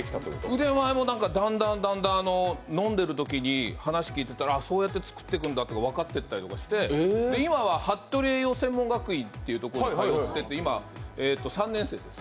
腕前も、飲んでるときに聞いてたらだんだん、そうやって作っていくんだって分かるようになって今は服部栄養専門学院というところに通ってて３年生です。